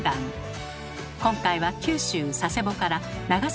今回は九州佐世保から長崎までの旅。